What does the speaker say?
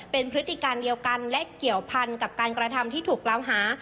เป็นพฤติการเดียวกันและเกี่ยวพันกับการกระทำที่ถูกกล่าวหา